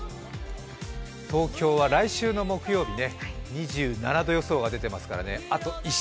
東京は来週の木曜日、２７度予想が出ていますからね。